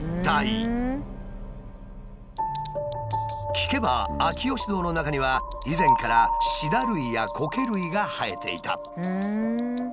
聞けば秋芳洞の中には以前からシダ類やコケ類が生えていた。